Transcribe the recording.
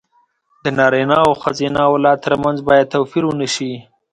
د نارينه او ښځينه اولاد تر منځ بايد توپير ونشي.